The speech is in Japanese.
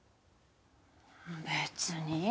別に。